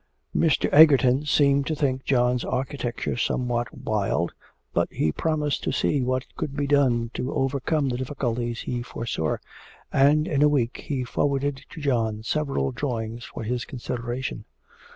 Mr. Egerton seemed to think John's architecture somewhat wild, but he promised to see what could be done to overcome the difficulties he foresaw, and in a week he forwarded John several drawings for his consideration.